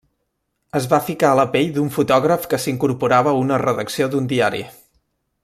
Es va ficar a la pell d'un fotògraf que s'incorporava a una redacció d'un diari.